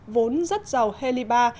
vốn rất giàu heliba